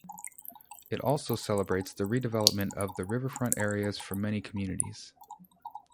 It also celebrated the redevelopment of the riverfront areas for many communities.